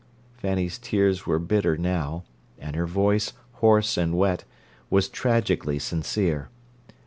Fanny's tears were bitter now, and her voice, hoarse and wet, was tragically sincere.